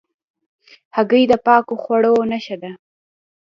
هګۍ د پاکو خواړو نښه ده.